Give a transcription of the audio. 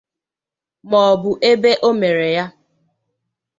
maọbụ ebe o mere ya.